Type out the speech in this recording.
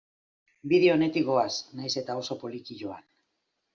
Bide onetik goaz, nahiz eta oso poliki joan.